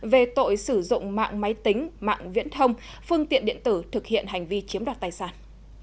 về tội sử dụng mạng máy tính mạng viễn thông phương tiện điện tử thực hiện hành vi chiếm đoạt tài sản